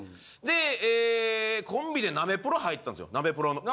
でえコンビでナベプロ入ったんですよナベプロ。